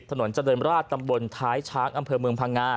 ถนนเจริญราชตำบลท้ายช้างอำเภอเมืองพังงา